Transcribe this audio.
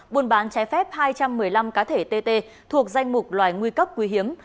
buôn bán trái phép hai trăm một mươi năm cá thể tt thuộc danh mục loài nguy cấp quý hiếm